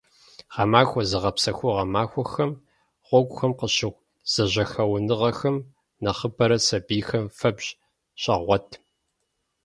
Гъэмахуэ зыгъэпсэхугъуэ махуэхэм гъуэгухэм къыщыхъу зэжьэхэуэныгъэхэм нэхъыбэрэ сабийхэм фэбжь щагъуэт.